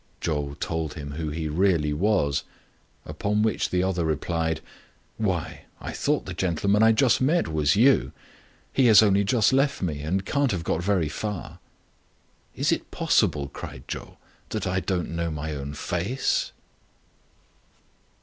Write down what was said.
Chou told him who he really was; upon whicli the other replied, " Why, I thought the gentleman I just met was you ! He has only just left me, and can't have got very far." " Is it possible," cried Chou, "that I didn't know my own face?"